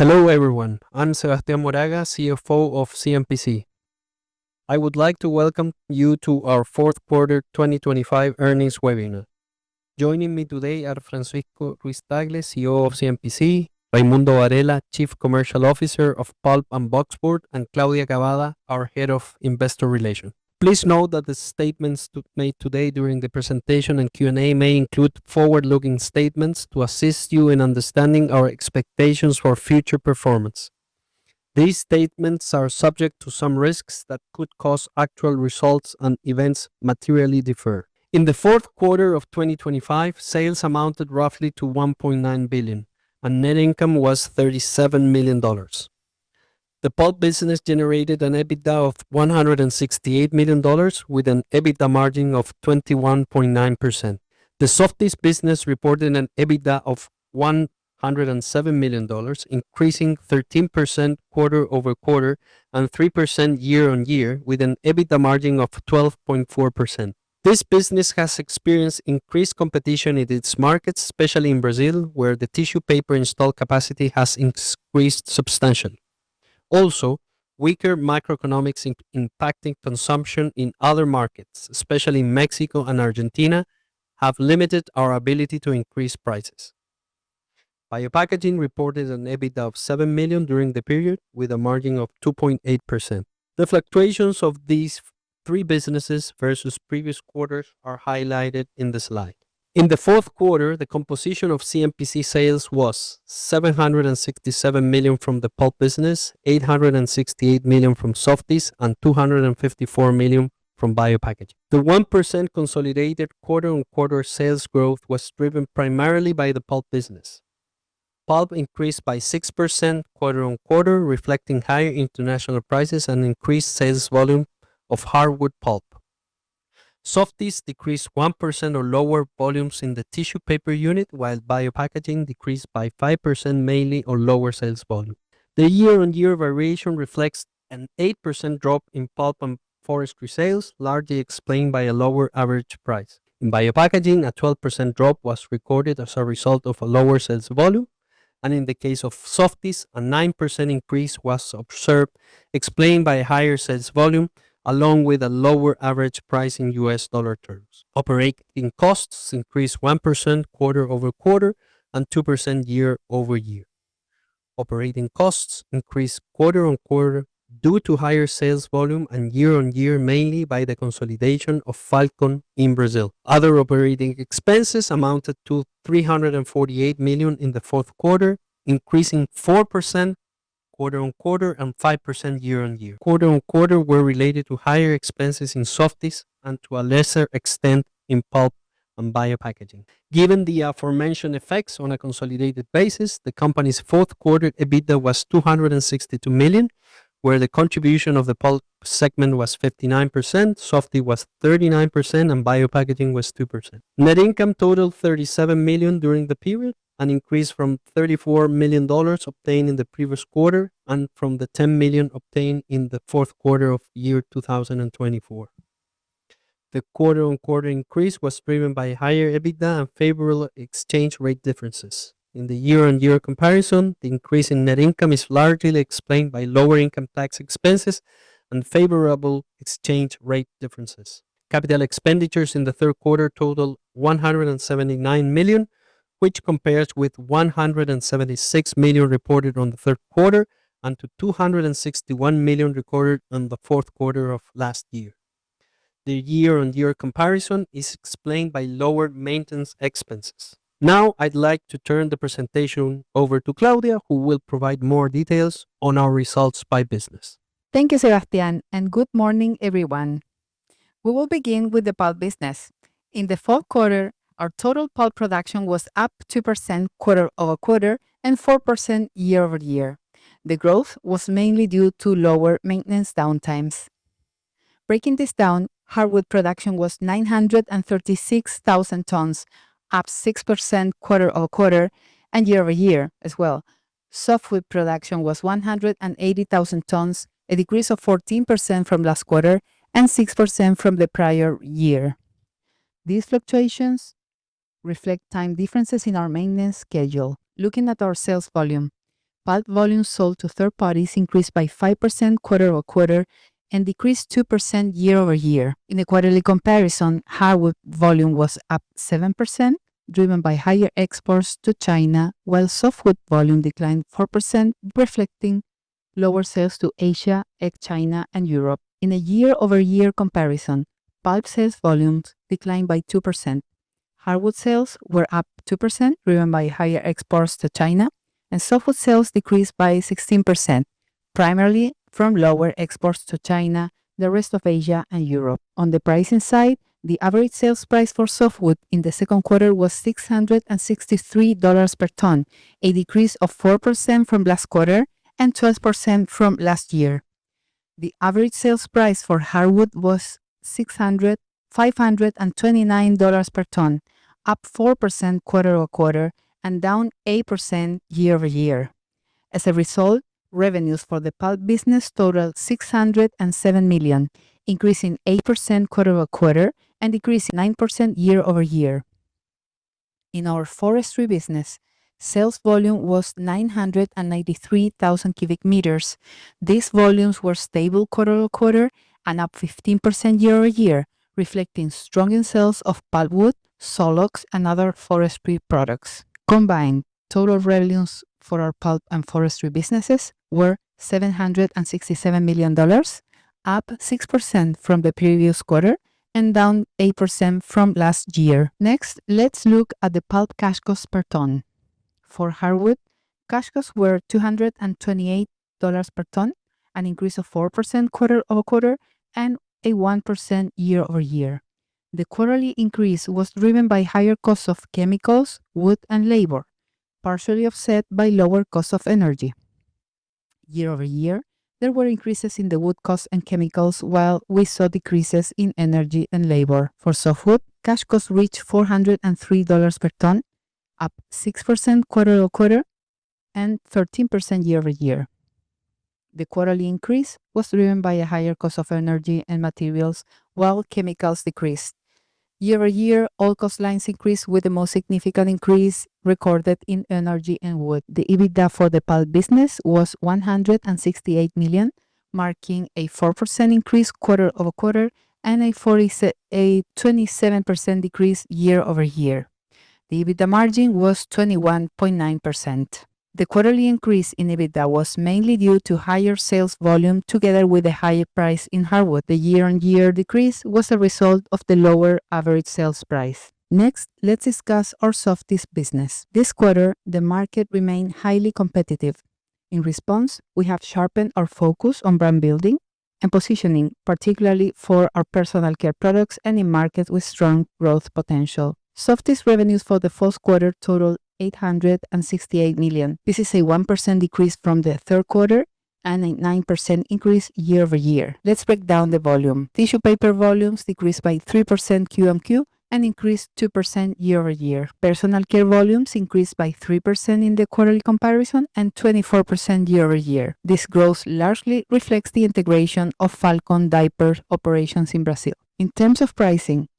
Hello, everyone. I'm Sebastián Moraga, CFO of CMPC. I would like to welcome you to our fourth quarter 2025 earnings webinar. Joining me today are Francisco Ruiz-Tagle, CEO of CMPC, Raimundo Varela, Chief Commercial Officer of Pulp and boxboard, and Claudia Cavada, our Head of Investor Relations. Please note that the statements made today during the presentation and Q&A may include forward-looking statements to assist you in understanding our expectations for future performance. These statements are subject to some risks that could cause actual results and events materially differ. In the fourth quarter of 2025, sales amounted roughly to $1.9 billion, and net income was $37 million. The pulp business generated an EBITDA of $168 million, with an EBITDA margin of 21.9%. The Softys business reported an EBITDA of $107 million, increasing 13% quarter-over-quarter and 3% year-on-year, with an EBITDA margin of 12.4%. This business has experienced increased competition in its markets, especially in Brazil, where the tissue paper installed capacity has increased substantially. Also, weaker macroeconomics impacting consumption in other markets, especially Mexico and Argentina, have limited our ability to increase prices. Biopackaging reported an EBITDA of $7 million during the period, with a margin of 2.8%. The fluctuations of these three businesses versus previous quarters are highlighted in the slide. In the fourth quarter, the composition of CMPC sales was $767 million from the pulp business, $868 million from Softys, and $254 million from Biopackaging. The 1% consolidated quarter-over-quarter sales growth was driven primarily by the pulp business. Pulp increased by 6% quarter-over-quarter, reflecting higher international prices and increased sales volume of hardwood pulp. Softys decreased 1% on lower volumes in the tissue paper unit, while Biopackaging decreased by 5%, mainly on lower sales volume. The year-over-year variation reflects an 8% drop in pulp and forestry sales, largely explained by a lower average price. In Biopackaging, a 12% drop was recorded as a result of a lower sales volume, and in the case of Softys, a 9% increase was observed, explained by a higher sales volume, along with a lower average price in U.S. dollar terms. Operating costs increased 1% quarter-over-quarter and 2% year-over-year. Operating costs increased quarter-on-quarter due to higher sales volume, and year-on-year, mainly by the consolidation of Falcon in Brazil. Other operating expenses amounted to $348 million in the fourth quarter, increasing 4% quarter-on-quarter and 5% year-on-year. Quarter-on-quarter were related to higher expenses in Softys and, to a lesser extent, in pulp and Biopackaging. Given the aforementioned effects, on a consolidated basis, the company's fourth quarter EBITDA was $262 million, where the contribution of the pulp segment was 59%, Softys was 39%, and Biopackaging was 2%. Net income totaled $37 million during the period, an increase from $34 million obtained in the previous quarter and from the $10 million obtained in the fourth quarter of 2024. The quarter-on-quarter increase was driven by higher EBITDA and favorable exchange rate differences. In the year-on-year comparison, the increase in net income is largely explained by lower income tax expenses and favorable exchange rate differences. Capital expenditures in the third quarter totaled $179 million, which compares with $176 million reported on the third quarter and to $261 million recorded on the fourth quarter of last year. The year-on-year comparison is explained by lower maintenance expenses. Now, I'd like to turn the presentation over to Claudia, who will provide more details on our results by business. Thank you, Sebastián, and good morning, everyone. We will begin with the pulp business. In the fourth quarter, our total pulp production was up 2% quarter-over-quarter and 4% year-over-year. The growth was mainly due to lower maintenance downtimes. Breaking this down, hardwood production was 936,000 tons, up 6% quarter-over-quarter and year-over-year as well. Softwood production was 180,000 tons, a decrease of 14% from last quarter and 6% from the prior year. These fluctuations reflect time differences in our maintenance schedule. Looking at our sales volume, pulp volume sold to third parties increased by 5% quarter-over-quarter and decreased 2% year-over-year. In the quarterly comparison, hardwood volume was up 7%, driven by higher exports to China, while softwood volume declined 4%, reflecting lower sales to Asia, ex-China, and Europe. In a year-over-year comparison, pulp sales volumes declined by 2%. Hardwood sales were up 2%, driven by higher exports to China, and softwood sales decreased by 16%, primarily from lower exports to China, the rest of Asia, and Europe. On the pricing side, the average sales price for softwood in the second quarter was $663 per ton, a decrease of 4% from last quarter and 12% from last year. The average sales price for hardwood was five hundred and twenty-nine dollars per ton, up 4% quarter-over-quarter and down 8% year-over-year. As a result, revenues for the pulp business totaled $607 million, increasing 8% quarter-over-quarter and increasing 9% year-over-year. In our forestry business, sales volume was 993,000 cubic meters. These volumes were stable quarter-over-quarter and up 15% year-over-year, reflecting stronger sales of pulpwood, Selex, and other forestry products. Combined, total revenues for our pulp and forestry businesses were $767 million, up 6% from the previous quarter and down 8% from last year. Next, let's look at the pulp cash costs per ton. For hardwood, cash costs were $228 per ton, an increase of 4% quarter-over-quarter and a 1% year-over-year. The quarterly increase was driven by higher costs of chemicals, wood, and labor, partially offset by lower costs of energy. year-over-year, there were increases in the wood costs and chemicals, while we saw decreases in energy and labor. For softwood, cash costs reached $403 per ton, up 6% quarter-over-quarter and 13% year-over-year. The quarterly increase was driven by a higher cost of energy and materials, while chemicals decreased. year-over-year, all cost lines increased, with the most significant increase recorded in energy and wood. The EBITDA for the pulp business was $168 million, marking a 4% increase quarter-over-quarter and a forty-se-- a 27% decrease year-over-year. The EBITDA margin was 21.9%. The quarterly increase in EBITDA was mainly due to higher sales volume together with a higher price in hardwood. The year-over-year decrease was a result of the lower average sales price. Next, let's discuss our Softys business. This quarter, the market remained highly competitive. In response, we have sharpened our focus on brand building and positioning, particularly for our personal care products and in markets with strong growth potential. Softys revenues for the fourth quarter totaled $868 million. This is a 1% decrease from the third quarter and a 9% increase year-over-year. Let's break down the volume. Tissue paper volumes decreased by 3% QoQ and increased 2% year-over-year. Personal care volumes increased by 3% in the quarterly comparison and 24% year-over-year. This growth largely reflects the integration of Falcon Diapers operations in Brazil. In terms of pricing,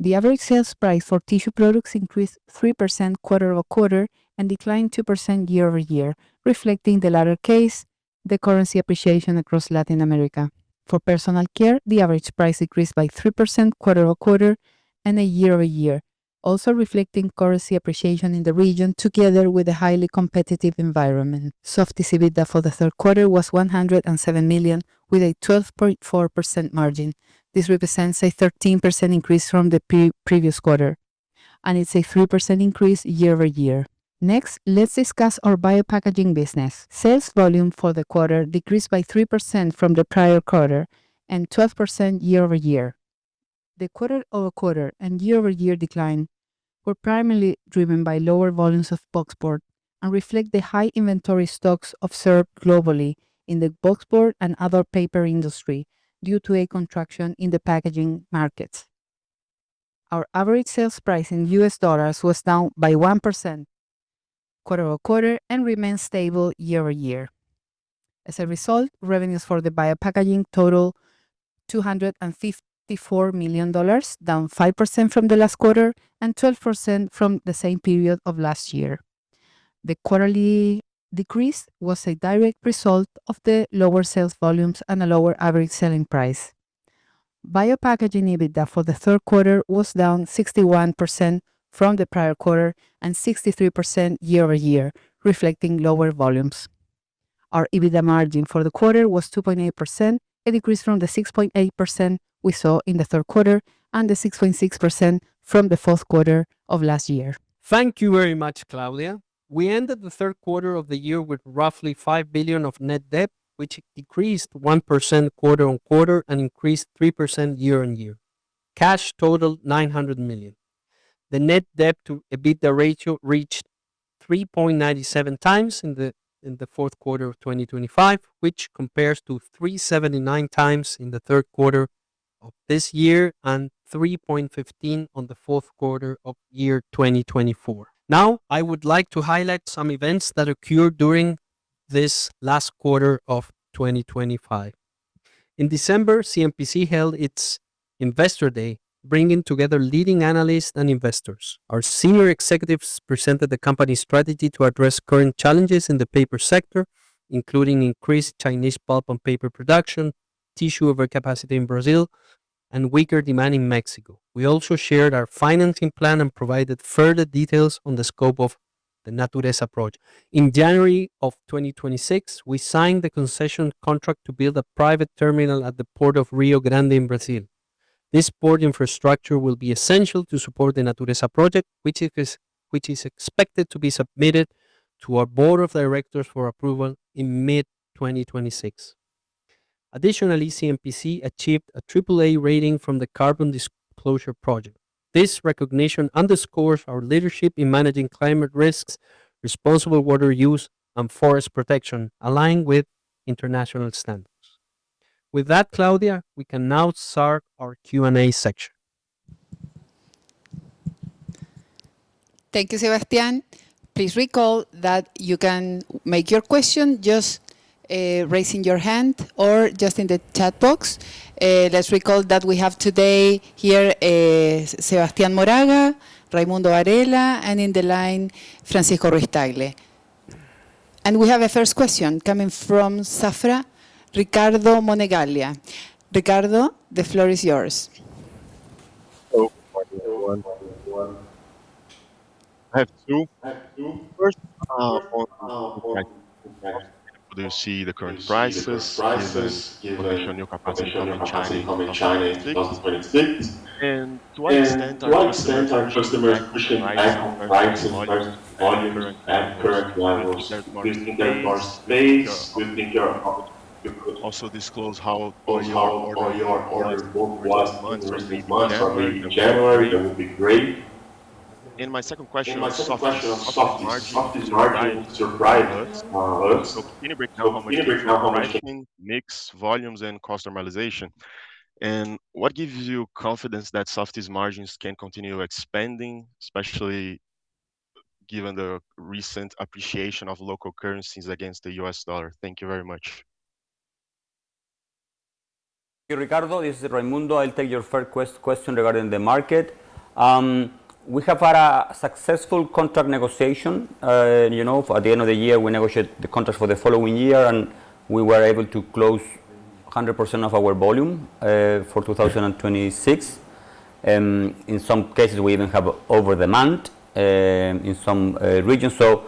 the average sales price for tissue products increased 3% quarter-over-quarter and declined 2% year-over-year, reflecting the latter case, the currency appreciation across Latin America. For personal care, the average price increased by 3% quarter-over-quarter and a year-over-year, also reflecting currency appreciation in the region together with a highly competitive environment. Softys EBITDA for the third quarter was $107 million, with a 12.4% margin. This represents a 13% increase from the pre-previous quarter, and it's a 3% increase year-over-year. Next, let's discuss our Biopackaging business. Sales volume for the quarter decreased by 3% from the prior quarter and 12% year-over-year. The quarter-over-quarter and year-over-year decline were primarily driven by lower volumes of Boxboard and reflect the high inventory stocks observed globally in the Boxboard and other paper industry due to a contraction in the packaging markets. Our average sales price in U.S. dollars was down by 1% quarter-over-quarter and remained stable year-over-year. As a result, revenues for the Biopackaging totaled $254 million, down 5% from the last quarter and 12% from the same period of last year. The quarterly decrease was a direct result of the lower sales volumes and a lower average selling price. Biopackaging EBITDA for the third quarter was down 61% from the prior quarter and 63% year-over-year, reflecting lower volumes. Our EBITDA margin for the quarter was 2.8%, a decrease from the 6.8% we saw in the third quarter and the 6.6% from the fourth quarter of last year. Thank you very much, Claudia. We ended the third quarter of the year with roughly $5 billion of net debt, which decreased 1% quarter-on-quarter and increased 3% year-on-year. Cash totaled $900 million. The net debt to EBITDA ratio reached 3.97x in the fourth quarter of 2025, which compares to 3.79x in the third quarter of this year and 3.15x in the fourth quarter of 2024. Now, I would like to highlight some events that occurred during this last quarter of 2025. In December, CMPC held its Investor Day, bringing together leading analysts and investors. Our senior executives presented the company's strategy to address current challenges in the paper sector, including increased Chinese pulp and paper production, tissue overcapacity in Brazil, and weaker demand in Mexico. We also shared our financing plan and provided further details on the scope of the Natureza Project. In January 2026, we signed the concession contract to build a private terminal at the Port of Rio Grande in Brazil. This port infrastructure will be essential to support the Natureza Project, which is expected to be submitted to our board of directors for approval in mid-2026. Additionally, CMPC achieved a triple A rating from the Carbon Disclosure Project. This recognition underscores our leadership in managing climate risks, responsible water use, and forest protection, aligned with international standards. With that, Claudia, we can now start our Q&A section. Thank you, Sebastián. Please recall that you can make your question just... ... raising your hand or just in the chat box. Let's recall that we have today here, Sebastián Moraga, Raimundo Varela, and in the line, Francisco Ruiz-Tagle. We have a first question coming from Safra, Ricardo Monegaglia. Ricardo, the floor is yours. Hello, everyone. I have two. First, on how do you see the current prices given potential new capacity coming from China in 2026? And do I understand that customers pushing back on pricing volumes at current levels giving their market space? Do you think you're comfortable to also disclose how or how your order book was in recent months or maybe January, that would be great. And my second question on Softys' margin surprised us. So can you break down how much mix, volumes, and cost normalization? And what gives you confidence that Softys' margins can continue expanding, especially given the recent appreciation of local currencies against the U.S. dollar? Thank you very much. Thank you, Ricardo. This is Raimundo. I'll take your first question regarding the market. We have had a successful contract negotiation. You know, at the end of the year, we negotiate the contract for the following year, and we were able to close 100% of our volume for 2026. In some cases, we even have over demand in some regions. So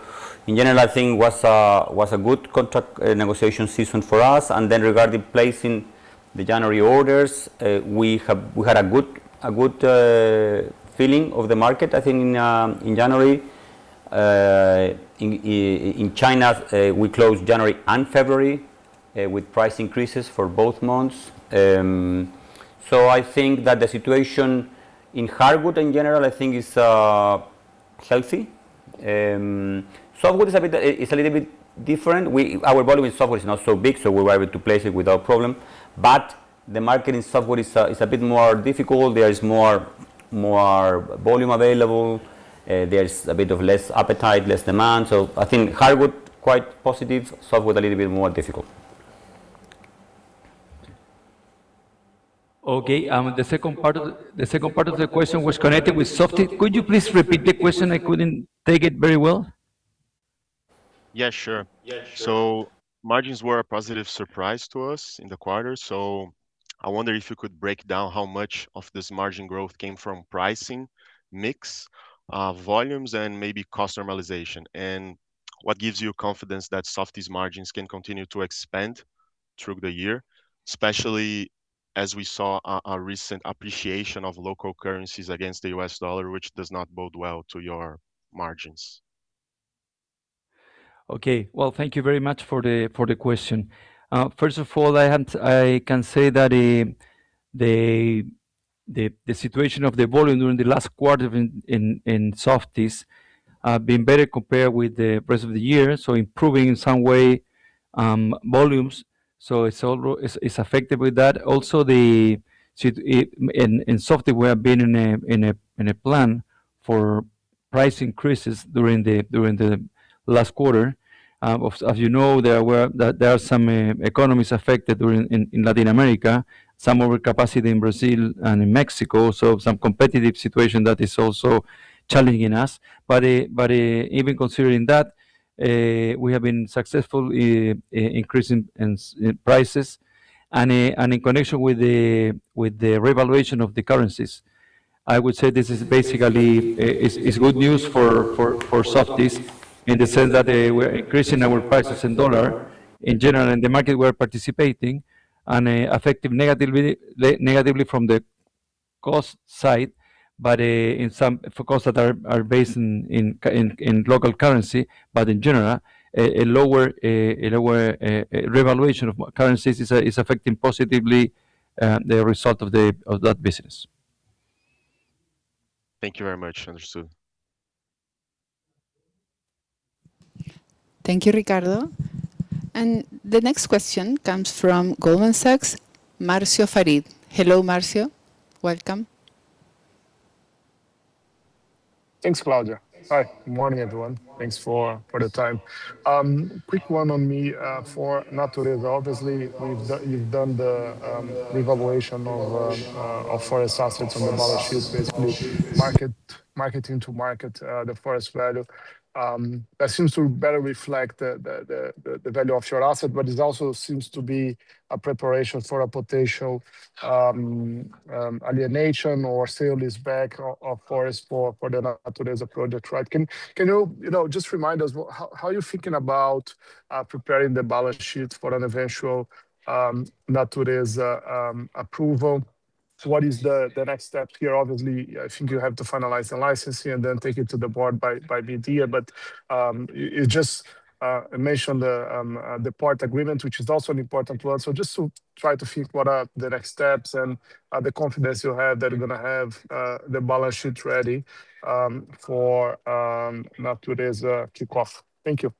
in general, I think it was a good contract negotiation season for us. And then regarding placing the January orders, we had a good feeling of the market, I think, in January. In China, we closed January and February with price increases for both months. So I think that the situation in hardwood in general, I think is healthy. Softwood is a bit, it's a little bit different. Our volume in softwood is not so big, so we were able to place it without problem. But the market in softwood is a bit more difficult. There is more volume available, there is a bit of less appetite, less demand. So I think hardwood quite positive. Softwood a little bit more difficult. Okay, the second part of the question was connected with Softys. Could you please repeat the question? I couldn't take it very well. Yeah, sure. So margins were a positive surprise to us in the quarter. So I wonder if you could break down how much of this margin growth came from pricing, mix, volumes, and maybe cost normalization. And what gives you confidence that Softys' margins can continue to expand through the year, especially as we saw a recent appreciation of local currencies against the U.S. dollar, which does not bode well to your margins? Okay. Well, thank you very much for the question. First of all, I can say that the situation of the volume during the last quarter in Softys been better compared with the rest of the year, so improving in some way, volumes. So it's all, it's affected with that. Also, in Softys, we have been in a plan for price increases during the last quarter. As you know, there were, there are some economies affected during, in Latin America, some overcapacity in Brazil and in Mexico, so some competitive situation that is also challenging us. But, even considering that, we have been successful in increasing prices. In connection with the revaluation of the currencies, I would say this is basically, it's good news for Softys in the sense that, we're increasing our prices in dollar in general, and the market we're participating, and affected negatively from the cost side, but in some for costs that are based in local currency. But in general, a lower revaluation of currencies is affecting positively the result of that business. Thank you very much. Understood. Thank you, Ricardo. The next question comes from Goldman Sachs, Marcio Farid. Hello, Marcio. Welcome. Thanks, Claudia. Hi, good morning, everyone. Thanks for the time. Quick one on me for Natureza. Obviously, you've done the revaluation of forest assets on the balance sheet, basically, mark to market the forest value. That seems to better reflect the value of your asset, but it also seems to be a preparation for a potential alienation or sale of forest assets for the Natureza project, right? Can you, you know, just remind us what... How are you thinking about preparing the balance sheet for an eventual Natureza approval? What is the next step here? Obviously, I think you have to finalize the licensing and then take it to the board by mid-year. But you just mentioned the port agreement, which is also an important one. So just to try to think what are the next steps and the confidence you have that you're gonna have the balance sheet ready for Natureza's kickoff. Thank you.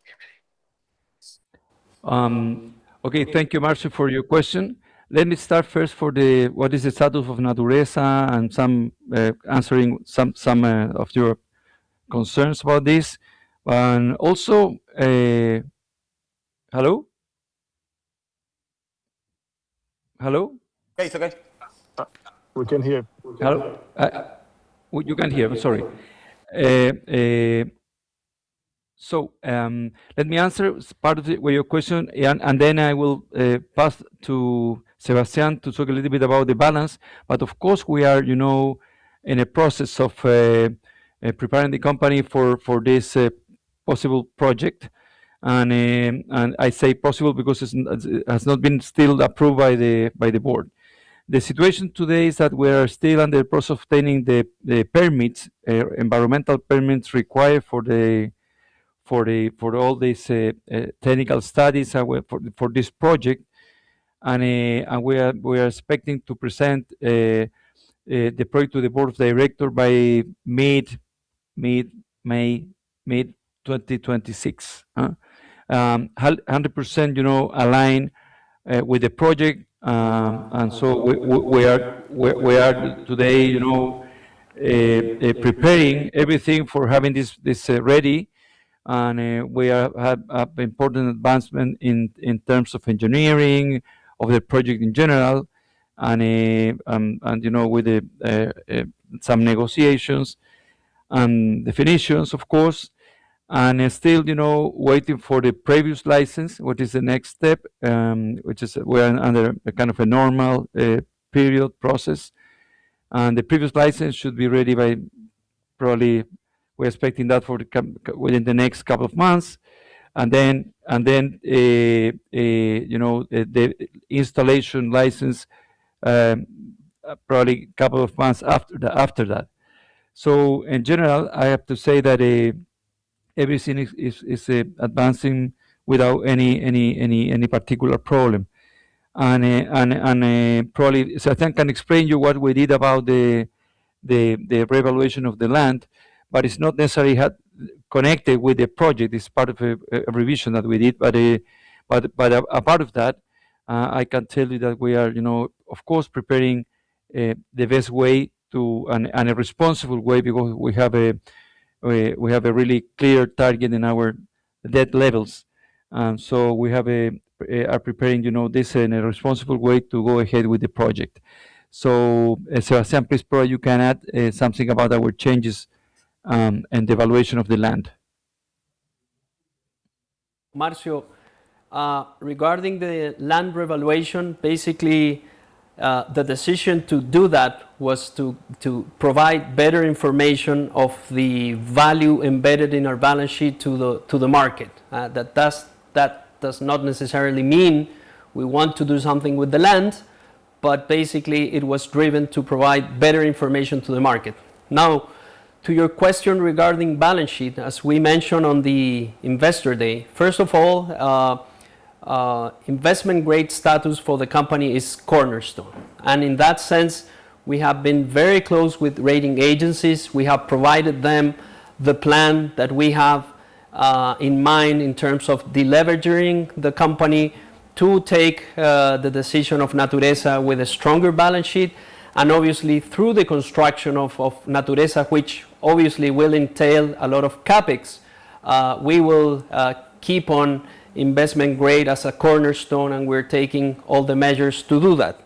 Okay, thank you, Marcio, for your question. Let me start first for the what is the status of Natureza and answering some of your concerns about this. And also, hello? Hello? Hey, it's okay. We can hear. We can hear. Hello? You can hear. I'm sorry. So, let me answer part of your question, and then I will pass to Sebastián to talk a little bit about the balance. But of course, we are, you know, in a process of preparing the company for this possible project. And I say possible because it has not been still approved by the board. The situation today is that we are still in the process of obtaining the environmental permits required for all these technical studies for this project. And we are expecting to present the project to the Board of Directors by mid-May 2026. 100%, you know, aligned with the project. And so we are today, you know, preparing everything for having this ready. And we have had important advancement in terms of engineering of the project in general, and you know, with some negotiations and definitions, of course. And still, you know, waiting for the previous license, what is the next step, which is we're under a kind of a normal period process. And the previous license should be ready by probably... we're expecting that within the next couple of months. And then, you know, the installation license, probably couple of months after that. So in general, I have to say that everything is advancing without any particular problem. And probably, Sebastián Moraga can explain to you what we did about the revaluation of the land, but it's not necessarily connected with the project. It's part of a revision that we did. But a part of that, I can tell you that we are, you know, of course, preparing the best way to and a responsible way because we have a, we have a really clear target in our debt levels. And so we have a are preparing, you know, this in a responsible way to go ahead with the project. So Sebastián Moraga, you can add something about our changes and the valuation of the land. Marcio, regarding the land revaluation, basically, the decision to do that was to provide better information of the value embedded in our balance sheet to the market. That does not necessarily mean we want to do something with the land, but basically, it was driven to provide better information to the market. Now, to your question regarding balance sheet, as we mentioned on the Investor Day, first of all, Investment Grade status for the company is cornerstone, and in that sense, we have been very close with rating agencies. We have provided them the plan that we have in mind in terms of deleveraging the company to take the decision of Natureza with a stronger balance sheet. And obviously, through the construction of Natureza, which obviously will entail a lot of CapEx, we will keep on Investment Grade as a cornerstone, and we're taking all the measures to do that.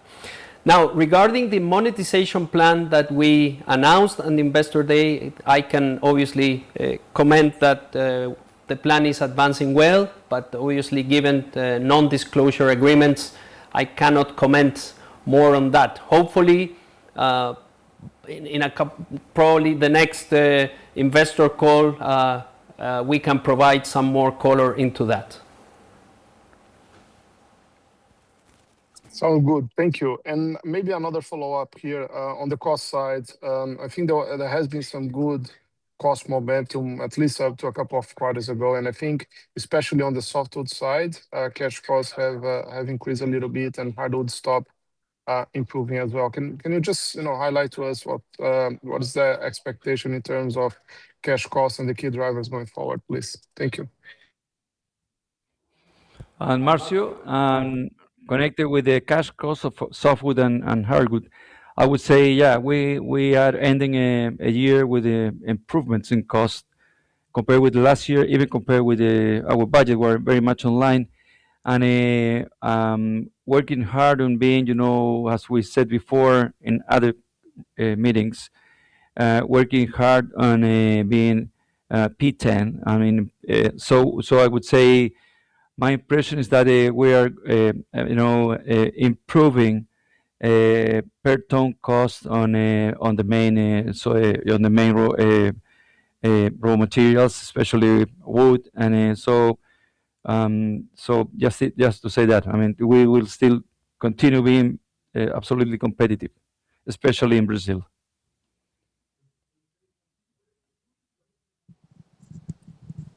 Now, regarding the monetization plan that we announced on Investor Day, I can obviously comment that the plan is advancing well, but obviously, given the non-disclosure agreements, I cannot comment more on that. Hopefully, in a couple probably the next investor call, we can provide some more color into that. Sounds good. Thank you. Maybe another follow-up here on the cost side. I think there has been some good cost momentum, at least up to a couple of quarters ago. And I think especially on the softwood side, cash costs have increased a little bit and hardwood costs improving as well. Can you just, you know, highlight to us what is the expectation in terms of cash costs and the key drivers going forward, please? Thank you. And Marcio, connected with the cash costs of softwood and hardwood, I would say, yeah, we are ending a year with improvements in cost compared with last year, even compared with our budget. We're very much online and working hard on being, you know, as we said before in other meetings, working hard on being P10. I mean, so I would say my impression is that we are, you know, improving per ton cost on the main raw materials, especially wood. And so just to say that, I mean, we will still continue being absolutely competitive, especially in Brazil.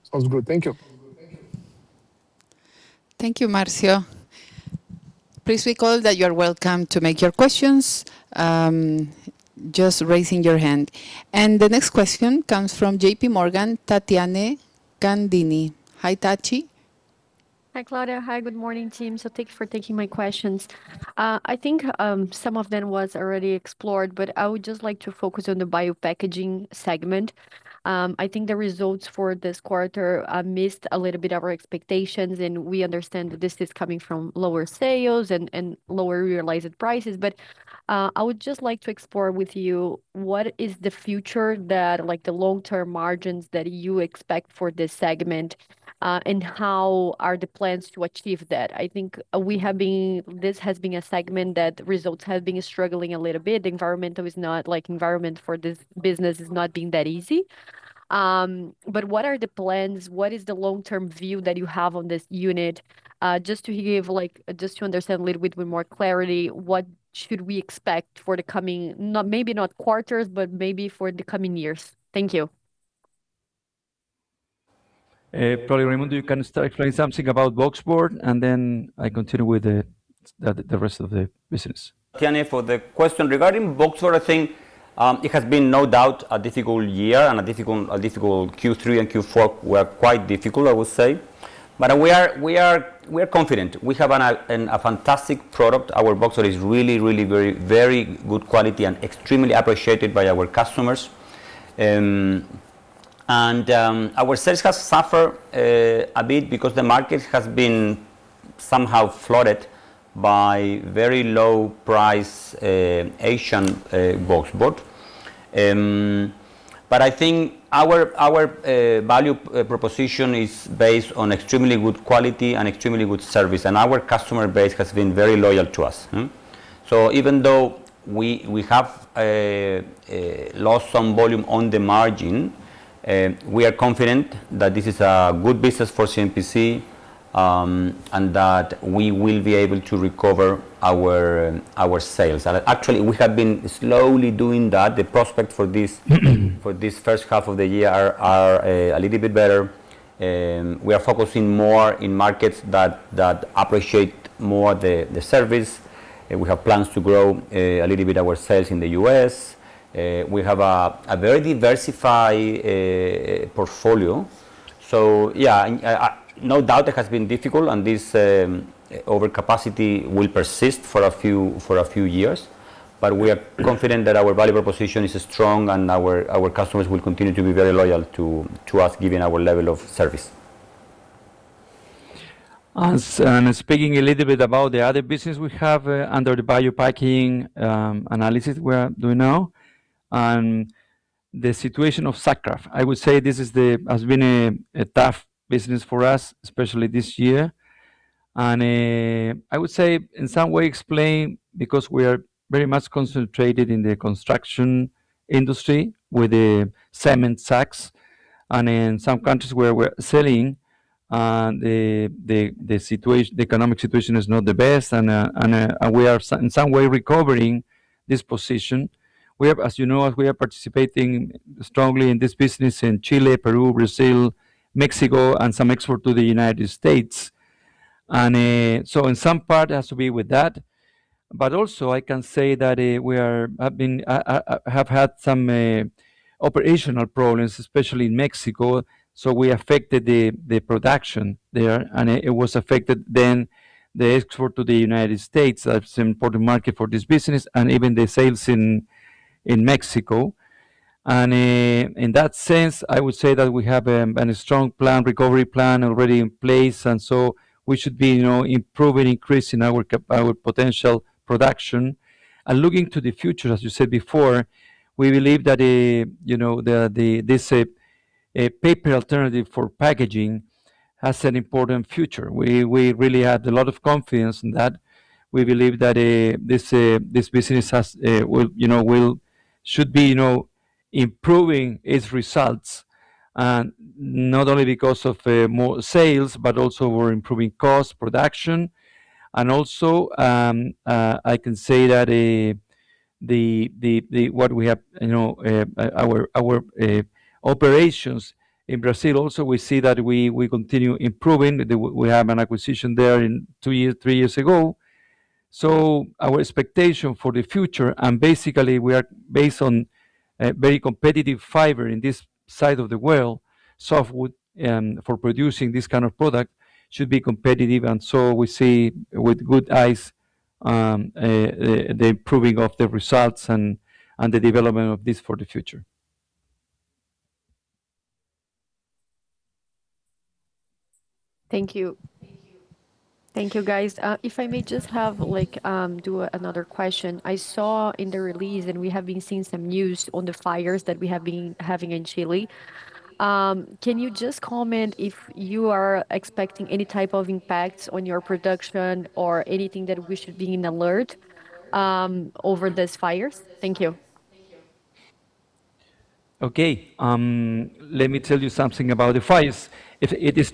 Sounds good. Thank you. Thank you, Marcio. Please recall that you're welcome to make your questions, just raising your hand. The next question comes from J.P. Morgan, Tatiana Leszczynski. Hi, Tati.... Hi, Claudia. Hi, good morning, team. So thank you for taking my questions. I think some of them was already explored, but I would just like to focus on the bio-packaging segment. I think the results for this quarter missed a little bit of our expectations, and we understand that this is coming from lower sales and lower realized prices. But I would just like to explore with you what is the future that, like, the long-term margins that you expect for this segment, and how are the plans to achieve that? I think we have been—this has been a segment that results have been struggling a little bit. The environment is not, like, environment for this business is not being that easy. But what are the plans? What is the long-term view that you have on this unit? Just to give, like, just to understand a little bit with more clarity, what should we expect for the coming, not maybe not quarters, but maybe for the coming years? Thank you. Probably, Raimundo, you can start explain something about boxboard, and then I continue with the rest of the business. Thank you for the question. Regarding boxboard, I think it has been no doubt a difficult year and a difficult Q3 and Q4 were quite difficult, I would say. But we are confident. We have a fantastic product. Our boxboard is really, really very, very good quality and extremely appreciated by our customers. And our sales has suffered a bit because the market has been somehow flooded by very low price Asian boxboard. But I think our value proposition is based on extremely good quality and extremely good service, and our customer base has been very loyal to us. So even though we have lost some volume on the margin, we are confident that this is a good business for CMPC, and that we will be able to recover our sales. And actually, we have been slowly doing that. The prospect for this first half of the year are a little bit better. We are focusing more in markets that appreciate more the service, and we have plans to grow a little bit our sales in the U.S.. We have a very diversified portfolio. So yeah, and no doubt it has been difficult, and this overcapacity will persist for a few years. But we are confident that our value proposition is strong, and our, our customers will continue to be very loyal to, to us, given our level of service. As I'm speaking a little bit about the other business we have, under the Biopackaging, analysis we are doing now, and the situation of Sack Kraft. I would say this is the... has been a tough business for us, especially this year. And, I would say, in some way, explain because we are very much concentrated in the construction industry with the cement sacks, and in some countries where we're selling, the economic situation is not the best, and, and we are, in some way recovering this position. We have, as you know, we are participating strongly in this business in Chile, Peru, Brazil, Mexico, and some export to the United States. And, so in some part, it has to be with that. But also, I can say that, we are... have been, have had some operational problems, especially in Mexico, so we affected the production there, and it was affected then the export to the United States. That's an important market for this business and even the sales in Mexico. And, in that sense, I would say that we have a strong recovery plan already in place, and so we should be, you know, improving, increasing our capacity, our potential production. And looking to the future, as you said before, we believe that, you know, this paper alternative for packaging has an important future. We really have a lot of confidence in that. We believe that this business has will, you know, will—should be, you know, improving its results, and not only because of more sales, but also we're improving cost production. And also, I can say that what we have, you know, our operations in Brazil, also, we see that we continue improving. We have an acquisition there in 2 years, 3 years ago. So our expectation for the future, and basically, we are based on a very competitive fiber in this side of the world, softwood, for producing this kind of product, should be competitive. And so we see with good eyes the improving of the results and the development of this for the future. Thank you. Thank you, guys. If I may just have, like, do another question. I saw in the release, and we have been seeing some news on the fires that we have been having in Chile. Can you just comment if you are expecting any type of impacts on your production or anything that we should be in alert over these fires? Thank you. Okay, let me tell you something about the fires. It is.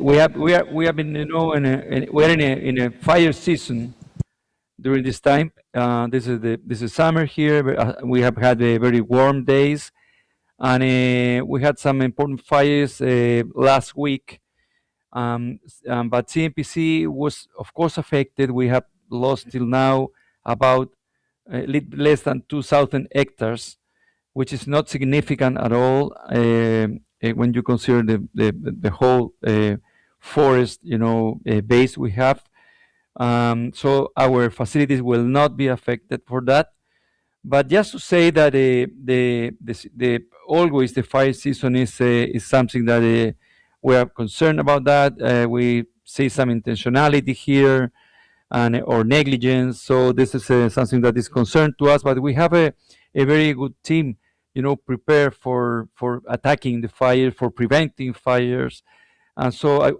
We have been, you know, in a, we're in a fire season during this time. This is summer here, but we have had very warm days, and we had some important fires last week. But CMPC was, of course, affected. We have lost till now about less than 2,000 hectares, which is not significant at all, when you consider the whole forest, you know, base we have. So our facilities will not be affected for that. But just to say that, always the fire season is something that we are concerned about that. We see some intentionality here and, or negligence, so this is something that is concern to us. But we have a very good team, you know, prepared for attacking the fire, for preventing fires. And so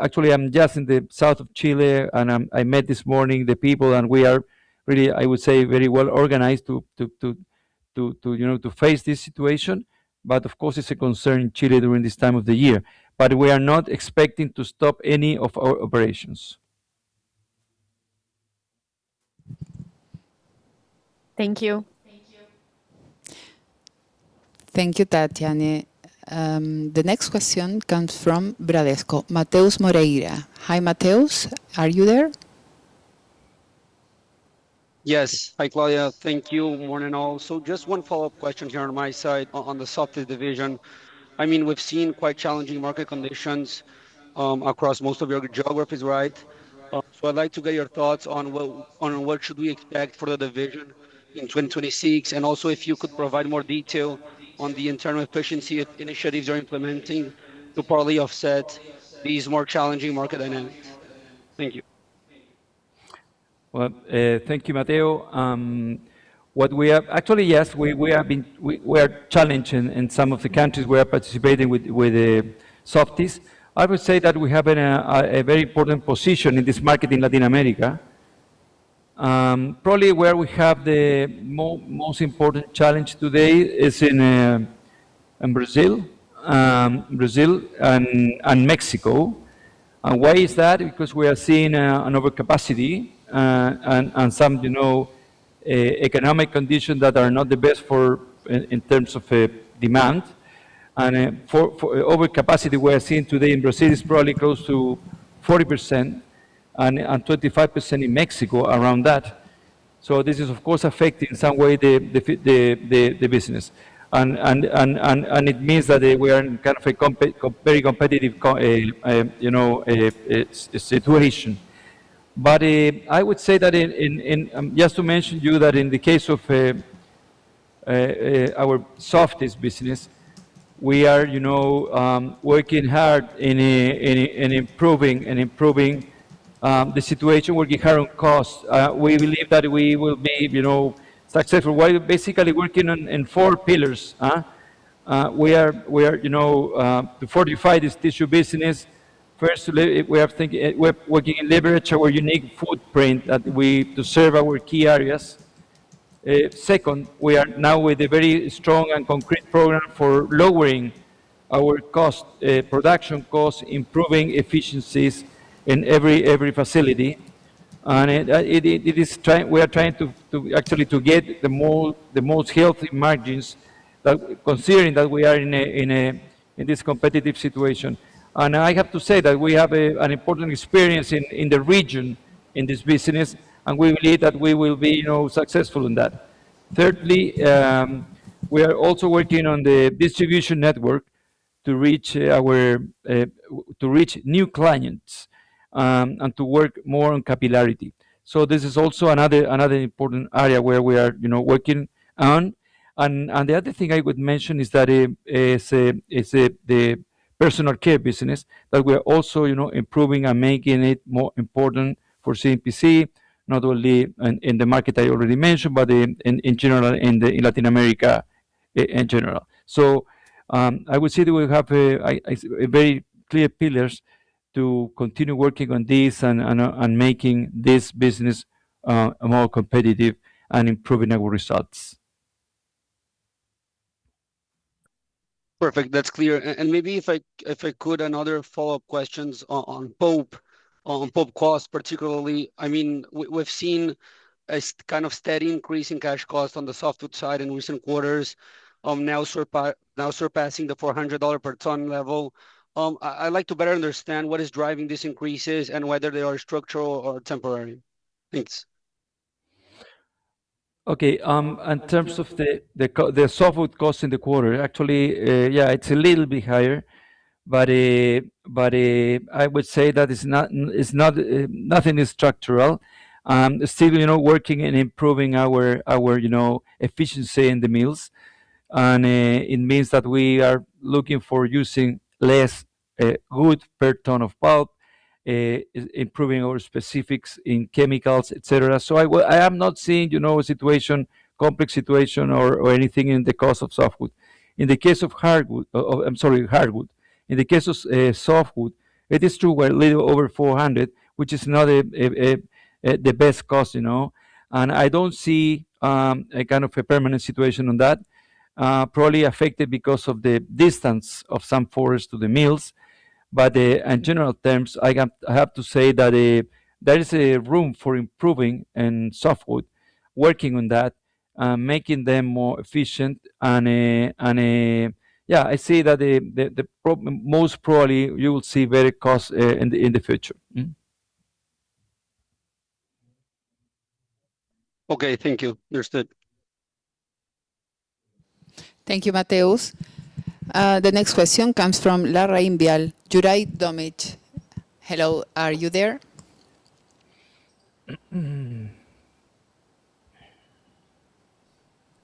actually I'm just in the south of Chile, and I met this morning the people, and we are really, I would say, very well organized to, you know, to face this situation. But of course it's a concern in Chile during this time of the year. But we are not expecting to stop any of our operations. Thank you. Thank you. Thank you, Tatiana. The next question comes from Bradesco, Matheus Moreira. Hi, Matheus, are you there? Yes. Hi, Claudia. Thank you. Morning, all. So just one follow-up question here on my side on the Softys division. I mean, we've seen quite challenging market conditions across most of your geographies, right? So I'd like to get your thoughts on what we should expect for the division in 2026, and also if you could provide more detail on the internal efficiency initiatives you're implementing to partly offset these more challenging market dynamics. Thank you. Well, thank you, Mateo. Actually, yes, we have been—we are challenged in some of the countries we are participating with the Softys. I would say that we have a very important position in this market in Latin America. Probably where we have the most important challenge today is in Brazil. Brazil and Mexico. And why is that? Because we are seeing an overcapacity and some, you know, economic conditions that are not the best in terms of demand. And for overcapacity, we are seeing today in Brazil is probably close to 40% and 25% in Mexico, around that. So this is, of course, affecting in some way the business. It means that we are in kind of a very competitive situation. But I would say that just to mention to you that in the case of our Softys business, we are, you know, working hard in improving the situation, working hard on cost. We believe that we will be, you know, successful while basically working on four pillars. We are, you know, to fortify this tissue business. Firstly, we are working in leverage our unique footprint that we to serve our key areas. Second, we are now with a very strong and concrete program for lowering our cost, production cost, improving efficiencies in every facility. We are trying to actually get the more, the most healthy margins, considering that we are in this competitive situation. I have to say that we have an important experience in the region, in this business, and we believe that we will be, you know, successful in that. Thirdly, we are also working on the distribution network to reach our new clients and to work more on capillarity. So this is also another important area where we are, you know, working on. The other thing I would mention is that the personal care business that we are also, you know, improving and making it more important for CMPC, not only in the market I already mentioned, but in general, in Latin America, in general. So, I would say that we have a very clear pillars to continue working on this and making this business more competitive and improving our results. Perfect, that's clear. And maybe if I could, another follow-up questions on pulp, on pulp cost particularly. I mean, we've seen a kind of steady increase in cash costs on the softwood side in recent quarters, now surpassing the $400 per ton level. I'd like to better understand what is driving these increases and whether they are structural or temporary. Thanks. Okay, in terms of the softwood cost in the quarter, actually, yeah, it's a little bit higher, but, but, I would say that it's not, it's not, nothing is structural. Still, you know, working and improving our efficiency in the mills, and it means that we are looking for using less wood per ton of pulp, improving our specifics in chemicals, et cetera. So I am not seeing, you know, a complex situation or anything in the cost of softwood. In the case of hardwood, I'm sorry, hardwood. In the case of softwood, it is true we're a little over $400, which is not the best cost, you know? I don't see a kind of a permanent situation on that, probably affected because of the distance of some forests to the mills. But in general terms, I have, I have to say that there is a room for improving in softwood, working on that, making them more efficient and... Yeah, I see that the most probably you will see better cost in the future. Mm. Okay, thank you. Understood. Thank you, Matheus. The next question comes from LarrainVial Juraj Tomsic. Hello, are you there?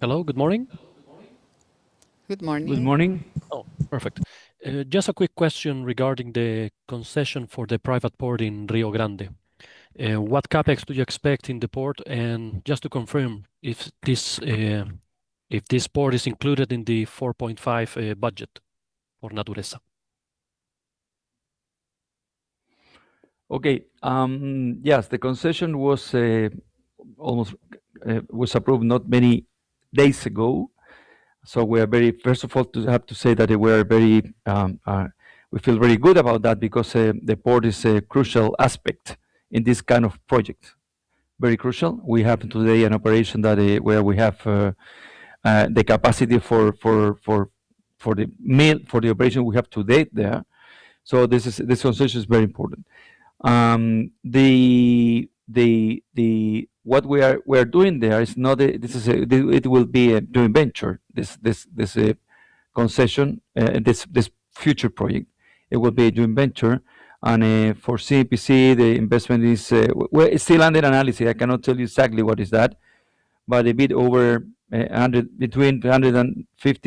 Hello, good morning. Good morning. Good morning. Oh, perfect. Just a quick question regarding the concession for the private port in Rio Grande. What CapEx do you expect in the port? And just to confirm, if this port is included in the $4.5 budget for Natureza? Okay, yes, the concession was almost approved not many days ago, so we are very... First of all, we have to say that we are very, we feel very good about that because the port is a crucial aspect in this kind of project. Very crucial. We have today an operation that where we have the capacity for the mill, for the operation we have to date there, so this association is very important. What we are doing there is not a, this is a, it will be a joint venture, this concession, this future project. It will be a joint venture. For CMPC, the investment is, it's still under analysis, I cannot tell you exactly what is that, but a bit over $100 million, between $150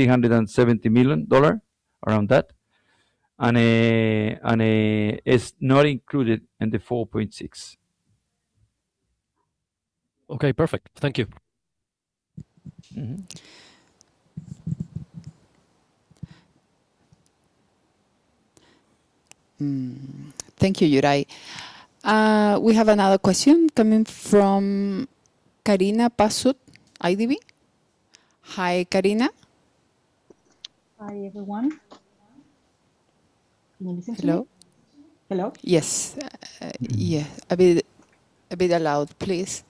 million and $170 million, around that. And, it's not included in the $4.6. Okay, perfect. Thank you. Mm-hmm. Thank you, Juraj. We have another question coming from Karina Pasut, Itaú BBA. Hi, Karina. Hi, everyone. Hello? Hello? Yes. Yeah, a bit, a bit aloud, please.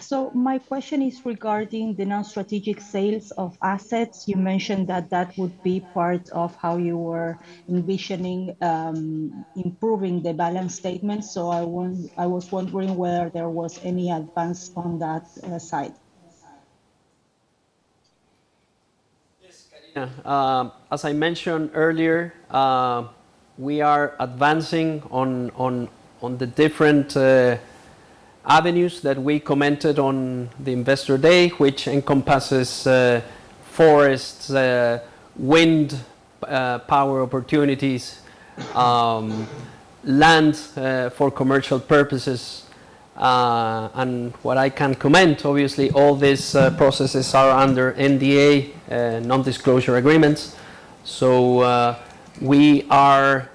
So my question is regarding the non-strategic sales of assets. You mentioned that that would be part of how you were envisioning improving the balance sheet, so I was wondering whether there was any advance on that side. Yes, Karina, as I mentioned earlier, we are advancing on the different avenues that we commented on the Investor Day, which encompasses forests, wind power opportunities, land for commercial purposes. And what I can comment, obviously, all these processes are under NDA, non-disclosure agreements, so we are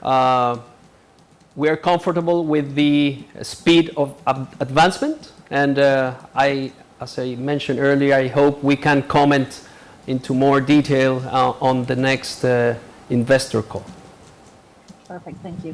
comfortable with the speed of advancement, and, as I mentioned earlier, I hope we can comment into more detail on the next investor call. Perfect. Thank you.